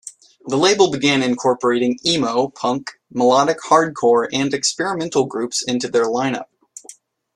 The label began incorporating emo, punk, melodic hardcore, and experimental groups into their line-up.